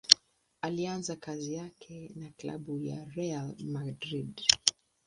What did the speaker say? Alianza kazi yake na klabu ya Real Madrid.